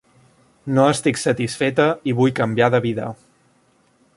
No estic satisfeta i vull canviar de vida.